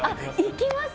行きます。